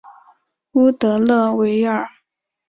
乌德勒维尔。